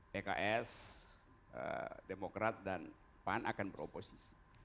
pks demokrat dan pan akan beroposisi